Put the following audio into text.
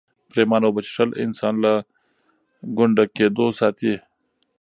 پرېمانه اوبه څښل انسان له ګونډه کېدو ساتي.